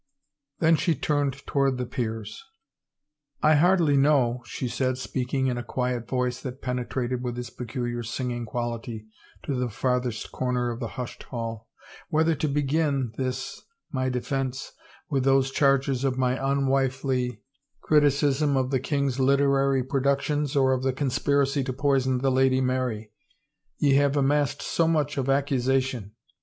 Then she turned toward the peers. I hardly know," she said, speaking in a quiet voice that penetrated with its peculiar singing quality to the 353 THE FAVOR OF KINGS farthest corner of the hushed hall, " whether to begin, this, my defense, with those charges of my unwifely criticism of the king's literary productions or of the conspiracy to poison the Lady Mkry. ... Ye have amassed so much of accusation!